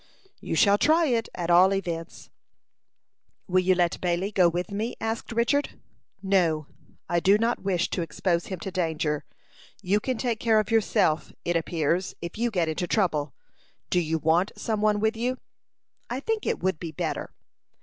"You shall try it, at all events." "Will you let Bailey go with me?" asked Richard. "No; I do not wish to expose him to danger. You can take care of yourself, it appears, if you get into trouble. Do you want some one with you?" "I think it would be better."